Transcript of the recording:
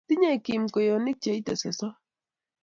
tinyei Kim kweyonik cheite sosom